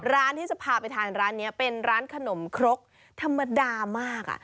ร้านที่จะพาไปทานร้านนี้เป็นร้านขนมครกธรรมดามาก